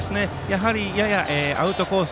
ややアウトコース